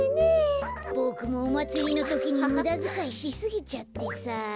ボクもおまつりのときにむだづかいしすぎちゃってさあ。